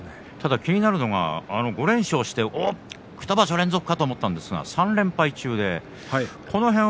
気になるのは５連勝して２場所連続だと思ったら３連敗中です。